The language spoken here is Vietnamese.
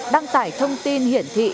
đăng tải thông tin hiển thị